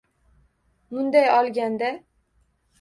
Munday olganda.